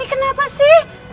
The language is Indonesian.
ini kenapa sih